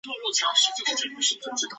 橄榄球冠军锦标赛。